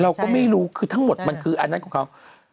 เราก็ไม่รู้คือทั้งหมดมันคืออันนั้นของเขา